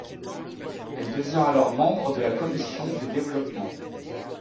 Elle devient alors membre de la Commission du développement.